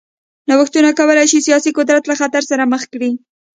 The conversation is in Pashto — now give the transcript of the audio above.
نوښتونه کولای شي سیاسي قدرت له خطر سره مخ کړي.